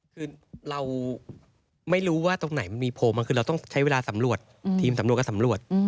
คือเราไม่รู้ว่าตรงไหนมันมีโพลมันคือเราต้องใช้เวลาสำรวจทีมสำรวจก็สำรวจ